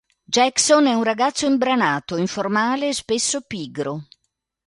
Jackson è un ragazzo imbranato, informale e spesso pigro.